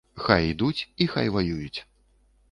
Хай ідуць і хай ваююць.